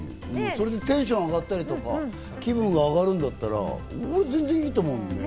それでテンションが上がったりとか気分が上がるんだったら俺、全然いいと思うのね。